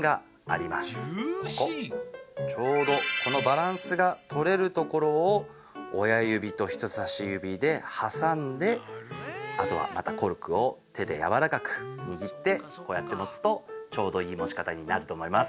ちょうどこのバランスがとれるところを親指と人さし指ではさんであとはまたコルクを手でやわらかくにぎってこうやって持つとちょうどいい持ち方になるとおもいます。